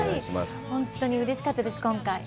本当にうれしかったです、今回。